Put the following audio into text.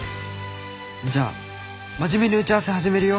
じゃあ真面目に打ち合わせ始めるよ。